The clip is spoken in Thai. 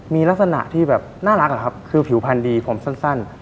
มีลักษณะที่แบบน่ารักอะครับคือผิวพันธ์ดีผมสั้น